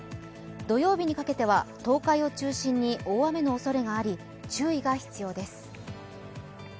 土曜日にかけては東海を中心に大雨のおそれがあり注意が必要です。